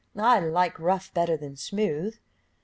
"I like rough better than smooth."